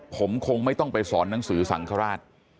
ผมคงไม่ต้องไปสอนหนังสือสังฆราช